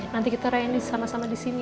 nanti kita rayani sama sama disini ya